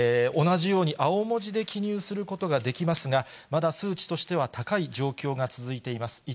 同じように青文字で記入することができますが、まだ数値としては高い状況が続いています。